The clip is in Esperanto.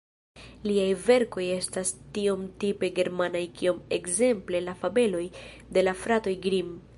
Liaj verkoj estas tiom tipe germanaj kiom ekzemple la fabeloj de la fratoj Grimm.